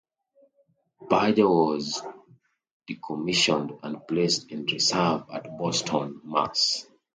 "Badger" was decommissioned and placed in reserve at Boston, Mass.